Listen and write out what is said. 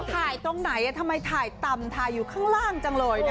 ถ่ายตรงไหนทำไมถ่ายต่ำถ่ายอยู่ข้างล่างจังเลย